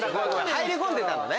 入り込んでたのね。